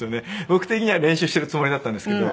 僕的には練習してるつもりだったんですけど。